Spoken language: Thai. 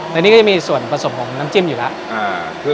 แต่นี่ก็จะมีส่วนผสมของน้ำจิ้มอยู่แล้ว